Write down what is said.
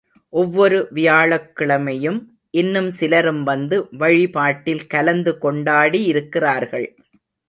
ஒவ்வொரு வியாழக்கிழமையும் இன்னும் சிலரும் வந்து வழி பாட்டில் கலந்து கொண்டாடி இருக்கிறார்கள்.